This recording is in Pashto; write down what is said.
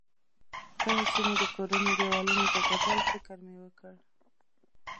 کله چې مې د کورونو دېوالونو ته وکتل، فکر مې وکړ.